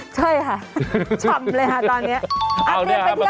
ใช่ค่ะชำเลยค่ะตอนนี้